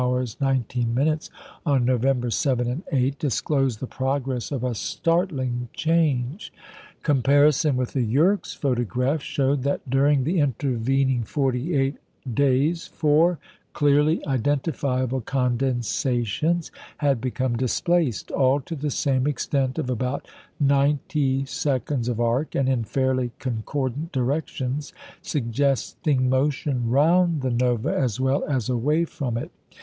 19m., on November 7 and 8, disclosed the progress of a startling change. Comparison with the Yerkes photograph showed that during the intervening 48 days four clearly identifiable condensations had become displaced, all to the same extent of about 90 seconds of arc, and in fairly concordant directions, suggesting motion round the Nova as well as away from it.